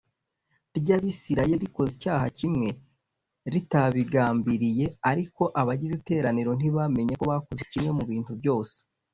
ry abisirayeli rikoze icyaha l ritabigambiriye ariko abagize iteraniro ntibamenye ko bakoze kimwe mu bintu byose